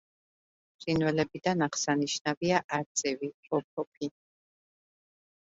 ფრინველებიდან აღსანიშნავია არწივი, ოფოფი.